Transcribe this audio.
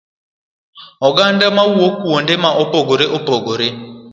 oganda ma owuok kuonde ma opogore opogore.